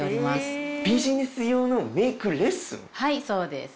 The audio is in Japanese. はいそうです。